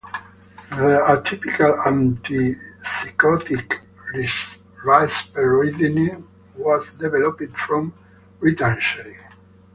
The atypical antipsychotic risperidone was developed from ritanserin.